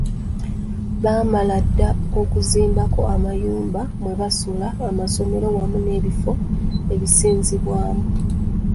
Baamala dda okuzimbako amayumba mwe basula, amasomero, wamu n’ebifo ebisinzizibwamu.